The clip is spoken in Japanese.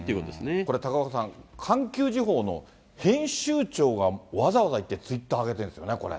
これ、高岡さん、環球時報の編集長がわざわざツイッター挙げてるんですよね、これ。